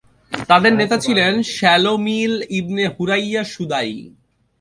তাদের নেতা ছিলেন শালো মীঈল ইবন হুরইয়া শুদাই।